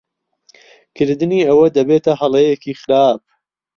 کردنی ئەوە دەبێتە ھەڵەیەکی خراپ.